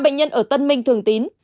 ba bệnh nhân ở tân minh thường tín